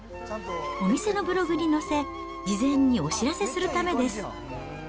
お店のブログに載せ、事前にお知らせするためです。